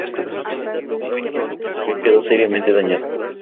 No hubo víctimas pero el avión quedó seriamente dañado.